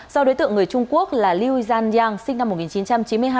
do đối tượng người trung quốc là liu yanyang sinh năm một nghìn chín trăm chín mươi hai